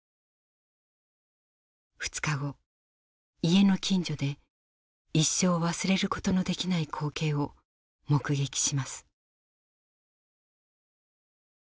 ２日後家の近所で一生忘れることのできない光景を目撃します。